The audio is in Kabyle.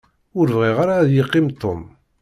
Ur bɣiɣ ara ad yeqqim Tom.